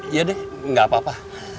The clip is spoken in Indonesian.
iya deh nggak apa apa